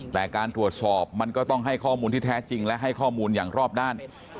แต่การตรวจสอบมันก็ต้องให้ข้อมูลที่แท้จริงและให้ข้อมูลอย่างรอบด้าน